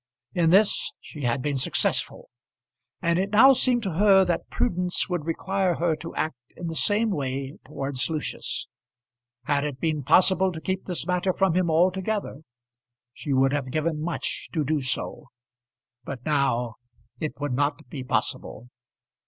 In this she had been successful; and it now seemed to her that prudence would require her to act in the same way towards Lucius. Had it been possible to keep this matter from him altogether, she would have given much to do so; but now it would not be possible.